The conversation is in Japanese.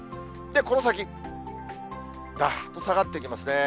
この先、だっと下がっていきますね。